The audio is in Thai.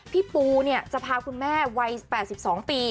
พี่ปูจะพาคุณแม่วัย๘๒ปี